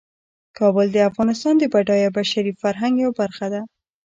کابل د افغانستان د بډایه بشري فرهنګ یوه برخه ده.